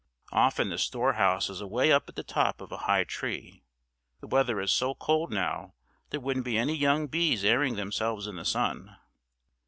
Often the storehouse is away up at the top of a high tree. The weather is so cold now there wouldn't be any young bees airing themselves in the sun."